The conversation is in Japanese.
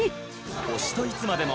推しといつまでも。